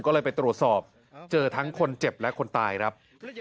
ก็เลยไปตรวจสอบเจอทั้งคนเจ็บและคนตายครับ